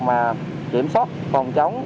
mà kiểm soát phòng chống